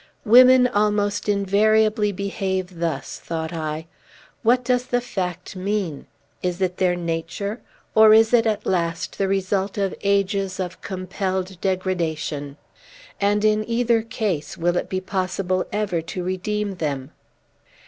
"Women almost invariably behave thus," thought I. "What does the fact mean? Is it their nature? Or is it, at last, the result of ages of compelled degradation? And, in either case, will it be possible ever to redeem them?"